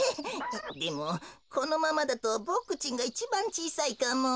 でもこのままだとボクちんがいちばんちいさいかも。